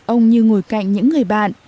ông như ngồi cạnh những người bạn